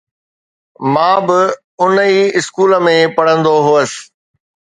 مان به ان ئي اسڪول ۾ پڙهندو هوس.